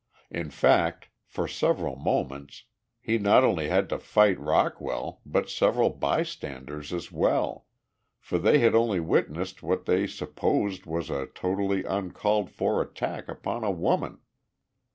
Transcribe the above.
In fact, for several moments he not only had to fight Rockwell, but several bystanders as well for they had only witnessed what they supposed was a totally uncalled for attack upon a woman.